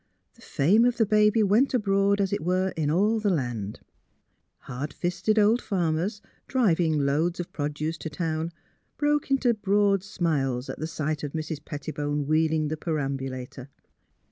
The fame of the baby went abroad, as it were, in all the land. Hard fisted old farmers, driving loads of produce to town, broke into broad smiles at sight of Mrs. Petti bone wheeling the perambulator.